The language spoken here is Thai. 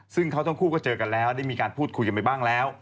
ซึ่งเขาทั้งคู่ก็เจอกันแล้วแล้วได้มีการปูธิคุยอย่างไรบ้างแล้ว